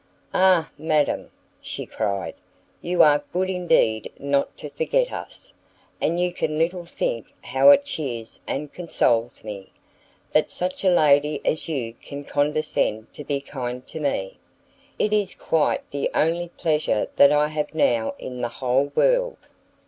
"Ah madam!" she cried, "you are good indeed not to forget us! and you can little think how it cheers and consoles me, that such a lady as you can condescend to be kind to me. It is quite the only pleasure that I have now in the whole world."